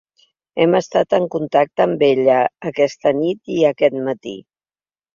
Hem estat en contacte amb ella aquesta nit i aquest matí.